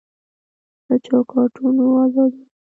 له چوکاټونو ازادول